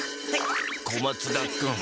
小松田君